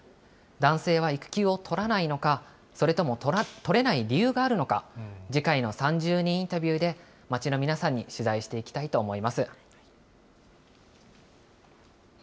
男性は育休を取らないのか、それとも取れない理由があるのか、次回の３０人インタビューで、街の皆さんに取材していきたいと思います。